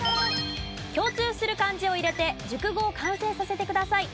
共通する漢字を入れて熟語を完成させてください。